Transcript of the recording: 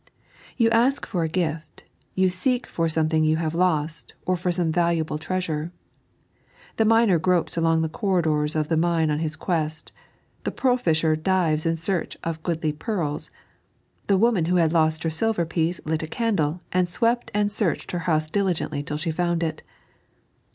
You ask for a gift ; you seek for something you have lost, or for some valuable treasure. The miner gropes along the corridors of the mine on hia quest ; the pearl fisher dives in search of goodly pearls ; the woman who had lost her silver piece lit a candle, and swept and searched her house diligently till she found it.